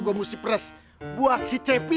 gue mesti pres buat si cepi